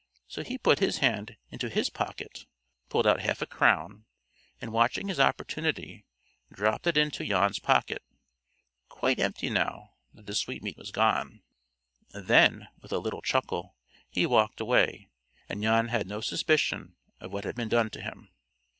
So he put his hand into his pocket, pulled out a half crown, and watching his opportunity, dropped it into Jan's pocket, quite empty now that the sweetmeat was gone. Then, with a little chuckle, he walked away, and Jan had no suspicion of what had been done to him.